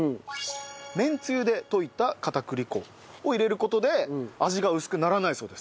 めんつゆで溶いた片栗粉を入れる事で味が薄くならないそうです。